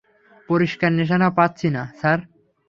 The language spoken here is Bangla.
পরিষ্কার নিশানা পাচ্ছি না, স্যার।